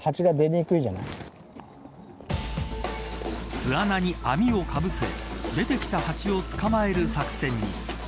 巣穴に網をかぶせ出てきたハチを捕まえる作戦に。